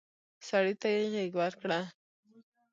سړي ته يې غېږ ورکړه.